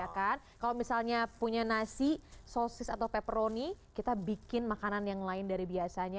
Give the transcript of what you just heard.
kalau misalnya punya nasi sosis atau peperoni kita bikin makanan yang lain dari biasanya